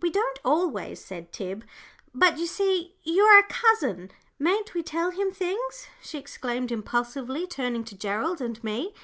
"We don't always," said Tib; "but you see you are a cousin; mayn't we tell him things?" she exclaimed, impulsively, turning to Gerald and me.